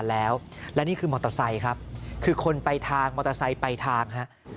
แล้วและนี่คือมอเตอร์ไซค์ครับคือคนไปทางมอเตอร์ไซค์ไปทางฮะ